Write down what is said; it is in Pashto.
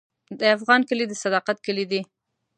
د افغان کلی د صداقت کلی دی.